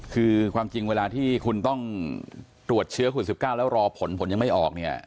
คือความจริงเวลาที่คุณต้องตรวจเชื้อโควิด๑๙แล้วรอผลผลยังไม่ออกเนี่ย